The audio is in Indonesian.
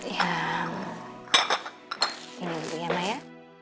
ini dulu ya maya